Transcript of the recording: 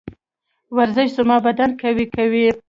ورزش زما بدن قوي کوي.